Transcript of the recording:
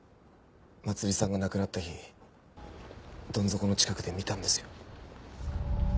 まつりさんが亡くなった日どんぞこの近くで見たんですよ。